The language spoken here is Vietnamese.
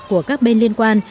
của các bên liên quan